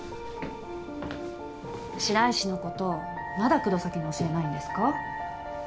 白石のことまだ黒崎に教えないんですか